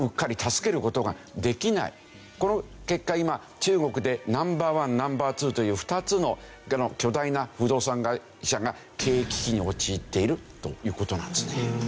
この結果今中国でＮｏ．１Ｎｏ．２という２つの巨大な不動産会社が経営危機に陥っているという事なんですね。